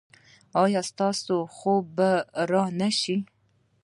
ایا ستاسو خوب به را نه شي؟